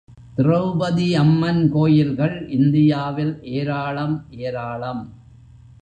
திரெளபதியம்மன் கோயில்கள் இந்தியாவில் ஏராளம் ஏராளம்.